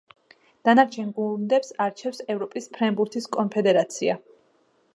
დანარჩენ გუნდებს არჩევს ევროპის ფრენბურთის კონფედერაცია.